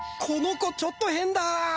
この子ちょっと変だ！